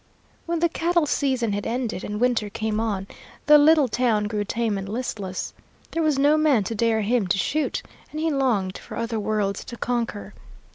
When the cattle season had ended and winter came on, the little town grew tame and listless. There was no man to dare him to shoot, and he longed for other worlds to conquer.